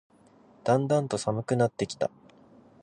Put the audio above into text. だんだんと寒くなってきた